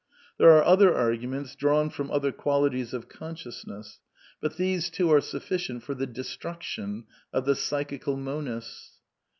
There are other arguments, drawn from other qualities of consciousness ; but these two are sufficient for the destruction of the Psychical Monists.